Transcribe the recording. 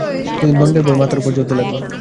কিন্তু দণ্ডের ভয় মাথার উপর ঝুলতে লাগল।